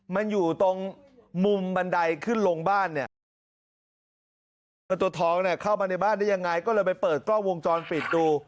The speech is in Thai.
มันอยู่ตรงมุมบันไดขึ้นลงบ้านเนี่ยตัวเงินตัวทองเนี่ยเข้ามาในบ้านได้ยังไงก็เลยไปเปิดกล้องวงจรปิดดู